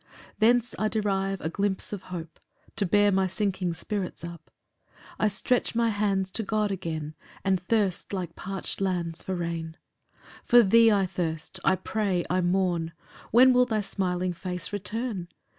5 Thence I derive a glimpse of hope To bear my sinking spirits up; I stretch my hands to God again, And thirst like parched lands for rain. 6 For thee I thirst, I pray, I mourn; When will thy smiling face return?